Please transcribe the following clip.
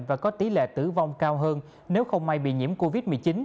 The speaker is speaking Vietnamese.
và có tỷ lệ tử vong cao hơn nếu không may bị nhiễm covid một mươi chín